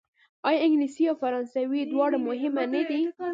آیا انګلیسي او فرانسوي دواړه مهمې نه دي؟